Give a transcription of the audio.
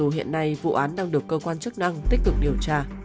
hiện nay vụ án đang được cơ quan chức năng tích cực điều tra